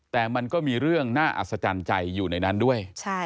แต่มันก็มีเรื่องน่าอัศจรรย์ใจอยู่ในนั้นด้วย